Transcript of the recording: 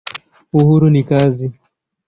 Uhuru ni kazi.